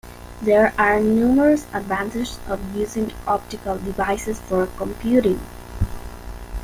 There are numerous advantages of using optical devices for computing.